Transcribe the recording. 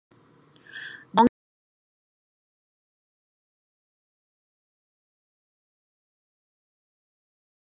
以往有唔少香港人誤以為香港自古只係一個小漁港